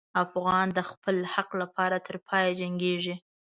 افغان د خپل حق لپاره تر پایه جنګېږي.